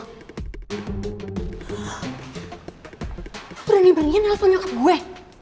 lo berani beraniin nelfon nyokap gue